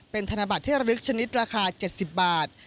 เป็นธนบัตรที่ระลึกชนิดราคา๗๐บาท